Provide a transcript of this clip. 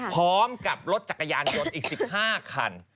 พร้อมกับรถจักรยานยนต์อีก๑๕คัน